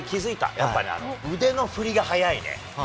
やっぱね、腕の振りが速いね。